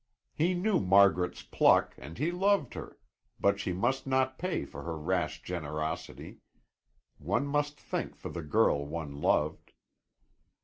He knew Margaret's pluck and he loved her, but she must not pay for her rash generosity. One must think for the girl one loved.